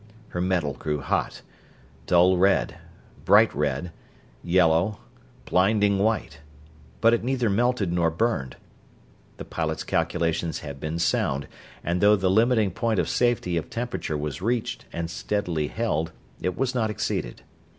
Her metal grew hot: dull red, bright red yellow, blinding white; but it neither melted nor burned. The pilot's calculations had been sound, and though the limiting point of safety of temperature was reached and steadily held, it was not exceeded.